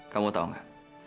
kamu tahu gak